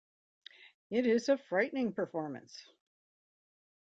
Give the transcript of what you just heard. It is a frightening performance.